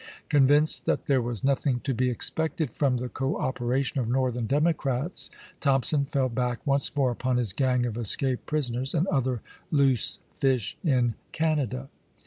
Convinced that there was nothing to be expected from the cooperation of Northern Democrats, ThomjDson fell back once more upon his gang of escaped prisoners and other loose fish in Canada.